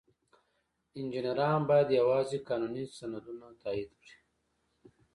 انجینران باید یوازې قانوني سندونه تایید کړي.